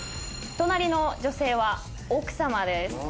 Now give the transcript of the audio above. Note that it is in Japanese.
隣の女性は奥さまです。